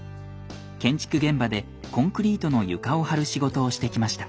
建築現場でコンクリートの床を張る仕事をしてきました。